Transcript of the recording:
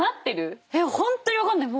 ホントに分かんない！